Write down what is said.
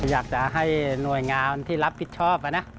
อยากจะให้หน่วยงานที่รับผิดชอบนะ